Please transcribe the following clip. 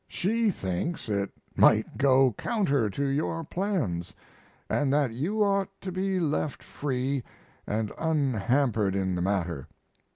She thinks it might go counter to your plans, and that you ought to be left free and unhampered in the matter.